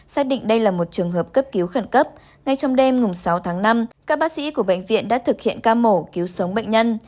xác định đây là một trường hợp cấp cứu khẩn cấp ngay trong đêm sáu tháng năm các bác sĩ của bệnh viện đã thực hiện ca mổ cứu sống bệnh nhân